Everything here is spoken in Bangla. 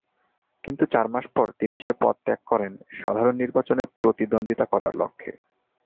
কিন্তু চার মাস পর তিনি সে পদ ত্যাগ করেন সাধারণ নির্বাচনে প্রতিদ্বন্দ্বিতা করার লক্ষ্যে।